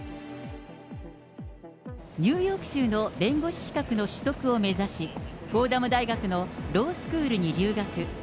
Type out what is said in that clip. ニューヨーク州の弁護士資格の取得を目指し、フォーダム大学のロースクールに入学。